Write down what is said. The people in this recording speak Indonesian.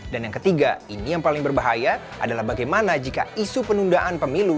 dan yang ketiga ini yang paling berbahaya adalah bagaimana jika isu penundaan pemilu